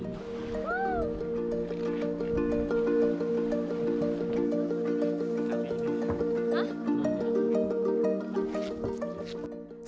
snorkeling bersama ubur ubur di